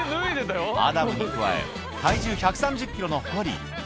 アダムに加え、体重１３０キロのホリー。